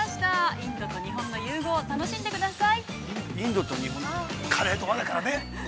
インドと日本の融合、楽しんでください。